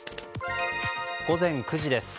午前９時です。